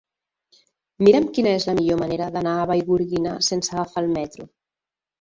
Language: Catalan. Mira'm quina és la millor manera d'anar a Vallgorguina sense agafar el metro.